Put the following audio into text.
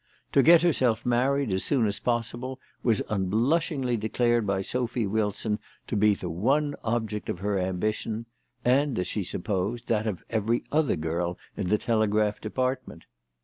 To get herself married as soon as possible was unblush ingly declared by Sophy Wilson to be the one object of her ambition, and as she supposed that of every other girl in the telegraph department.